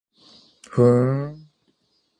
ふーん